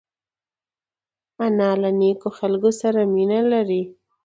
انا له نیکو خلکو سره مینه لري